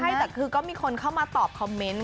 ใช่แต่คือก็มีคนเข้ามาตอบคอมเมนต์